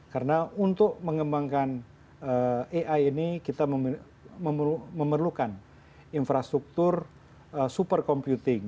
karena untuk mengembangkan ai ini kita memerlukan infrastruktur super computing